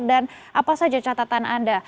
dan apa saja catatan anda